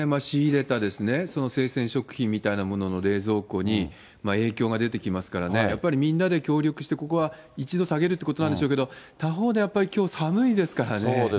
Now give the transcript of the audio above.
仕入れた生鮮食品みたいなものの冷蔵庫に影響が出てきますからね、やっぱりみんなで協力して、ここは１度下げるってことなんでしょうけど、他方でやっぱり、きょう寒いですからね。